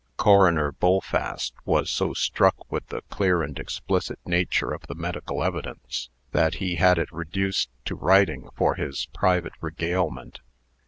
Coroner Bullfast was so struck with the clear and explicit nature of the medical evidence, that he had it reduced to writing for his private regalement.